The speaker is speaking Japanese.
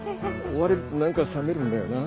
追われると何か冷めるんだよな。